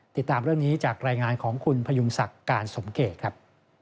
ติดตามเรื่องนี้จากรายงานของคุณพยุงศักดิ์การสมเกตครับ